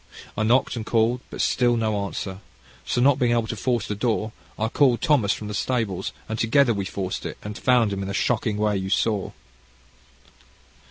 I knocked and called, and still no answer. So not being able to force the door, I called Thomas from the stables, and together we forced it, and found him in the shocking way you saw."